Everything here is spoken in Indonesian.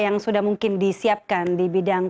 yang sudah mungkin disiapkan di bidang